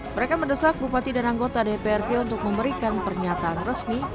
mereka mendesak bupati dan anggota dprd untuk memberikan pernyataan resmi